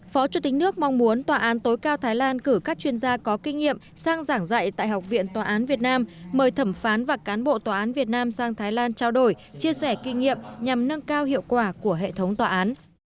phó chủ tịch nước mong muốn tòa án tối cao thái lan cử các chuyên gia có kinh nghiệm sang giảng dạy tại học viện tòa án việt nam mời thẩm phán và cán bộ tòa án việt nam sang thái lan trao đổi chia sẻ kinh nghiệm nhằm nâng cao hiệu quả của hệ thống tòa án